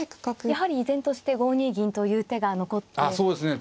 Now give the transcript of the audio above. やはり依然として５二銀という手が残っていますね。